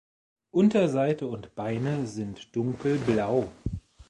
Unterseite und Beine sind dunkelblau.